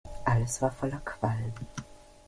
Alles war voller Qualm.